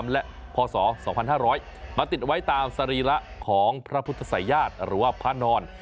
และพศ๒๕๐๐มาติดไว้ตามสรีระของพระพุทธศัยญาติหรือว่าพระนอน